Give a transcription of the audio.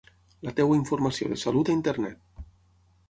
La teva informació de salut a internet.